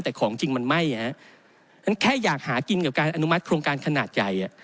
แต่ของจริงมันไหม้ฮะงั้นแค่อยากหากินกับการอนุมัติโครงการขนาดใหญ่